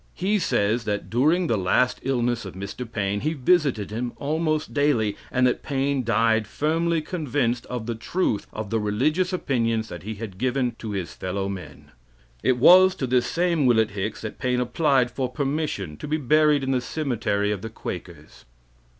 He says that during the last illness of Mr. Paine he visited him almost daily, and that Paine died firmly convinced of the truth of the religious opinions that he had given to his fellow men. It was to this same Willet Hicks that Paine applied for permission to be buried in the cemetery of the Quakers.